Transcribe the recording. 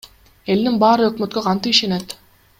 Элдин баары өкмөткө кантип ишенет?